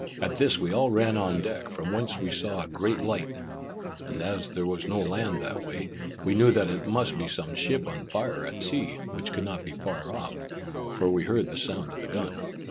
At this we all ran on deck, from whence we saw a great light, and as there was no land that way, we knew that it must be some ship on fire at sea, which could not be far off, for we heard the sound of the gun.